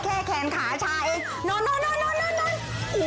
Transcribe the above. โอ้โฮแค้นขาชาเองนอน